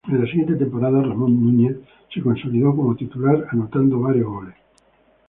En la siguiente temporada, Ramón Núñez se consolidó como titular anotando varios goles.